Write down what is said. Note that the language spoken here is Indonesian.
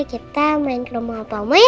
kita main ke rumah opa oma ya